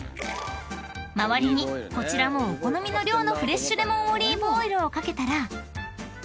［周りにこちらもお好みの量のフレッシュレモンオリーブオイルを掛けたら］